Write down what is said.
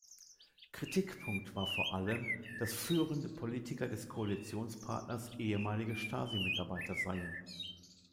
Kritikpunkt war vor allem, dass führende Politiker des Koalitionspartners ehemalige Stasi-Mitarbeiter seien.